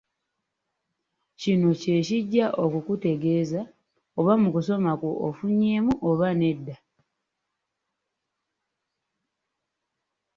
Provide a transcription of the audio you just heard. Kino kye kijja okukutegeeza oba mu kusoma kwo ofunyeemu oba nedda.